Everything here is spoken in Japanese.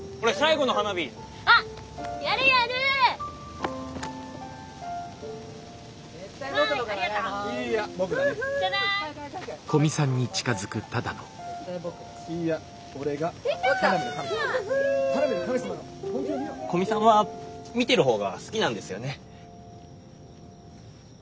古見さんは見てる方が好きなんですよね？